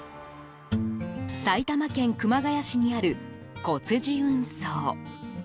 埼玉県熊谷市にある小辻運送。